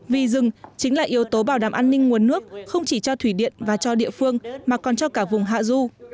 vì rừng chính là yếu tố bảo đảm an ninh nguồn nước không chỉ cho thủy điện và cho địa phương mà còn cho cả vùng hạ du